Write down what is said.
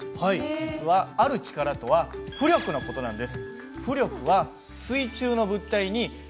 実はある力とは浮力の事なんです。